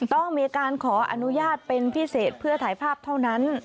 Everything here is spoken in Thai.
ต้องมีการขออนุญาตเป็นพิเศษเพื่อถ่ายภาพเท่านั้น